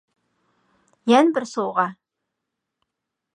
يەنە بىر سوۋغا.